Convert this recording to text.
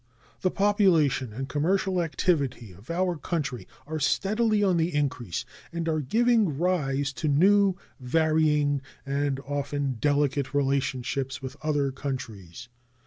The population and commercial activity of our country are steadily on the increase, and are giving rise to new, varying, and often delicate relationships with other countries.